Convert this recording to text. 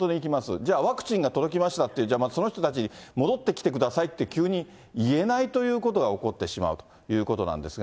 じゃあ、ワクチンが届きましたって、じゃあその人たち、戻ってきてくださいって、急にいえないということが起こってしまうということなんですが。